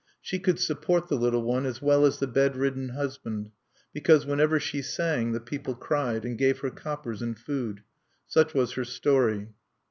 She could support the little one, as well as the bed ridden husband, because whenever she sang the people cried, and gave her coppers and food.... Such was her story.